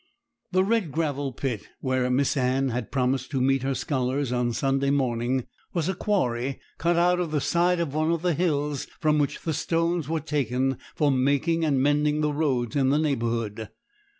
The Red Gravel Pit, where Miss Anne had promised to meet her scholars on Sunday morning, was a quarry cut out of the side of one of the hills, from which the stones were taken for making and mending the roads in the neighbourhood.